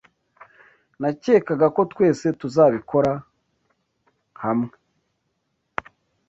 Nakekaga ko twese tuzabikora hamwe.